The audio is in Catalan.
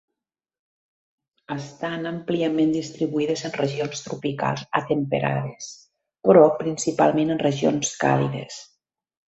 Estan àmpliament distribuïdes en regions tropicals a temperades, però principalment en regions càlides.